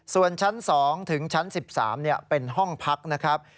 ส่วนชั้น๒ถึงชั้น๑๓เป็นห้องพักนะครับ